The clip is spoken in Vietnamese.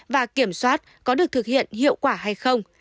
và kiểm soát có được thực hiện hiệu quả hay không